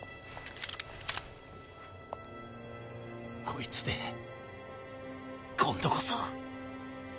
こいつで今度こそ。